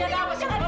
ya apa apa mama udah